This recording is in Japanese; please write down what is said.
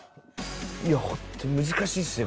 いやホントに難しいっすよ